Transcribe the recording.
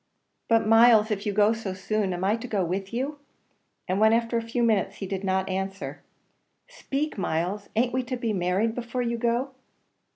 "But, Myles, if you go so soon, am I to go with you?" and when after a few minutes he did not answer, "Speak, Myles, an't we to be married before you go?"